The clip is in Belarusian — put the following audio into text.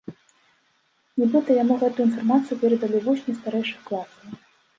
Нібыта, яму гэтую інфармацыю перадалі вучні старэйшых класаў.